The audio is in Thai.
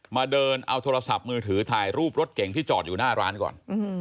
มาเดินเอาโทรศัพท์มือถือถ่ายรูปรถเก่งที่จอดอยู่หน้าร้านก่อน